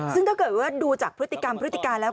ซึ่งถ้าเกิดว่าดูจากพฤติกรรมพฤติการแล้ว